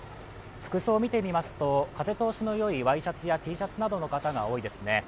服装見てみますと風通しのよいＹシャツやＴシャツなどの方が多いですね。